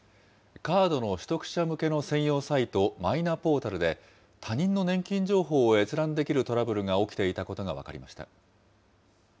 カードの取得者向けの専用サイト、マイナポータルで、他人の年金情報を閲覧できるトラブルが起きていたことが分かりました。